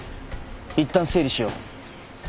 いったん整理しよう。